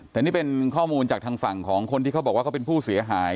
แต่นี่เป็นข้อมูลจากทางฝั่งของคนที่เขาบอกว่าเขาเป็นผู้เสียหาย